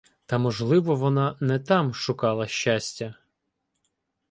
Та можливо вона не там шукала щастя?